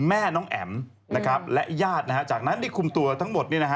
แม่น้องแอ๋มและญาติจากนั้นได้คุมตัวทั้งหมด